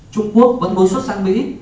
trung quốc vẫn vô xuất sang mỹ